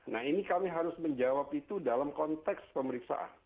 nah ini kami harus menjawab itu dalam konteks pemeriksaan